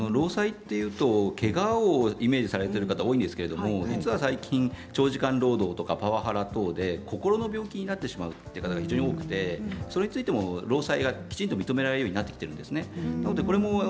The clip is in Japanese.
労災というとけがをイメージされている方多いんですけれども実は最近、長時間労働やパワハラなどで心の病気になってしまう方が非常に多くてそれについても労災がきちんと認められるようになってきているんですね。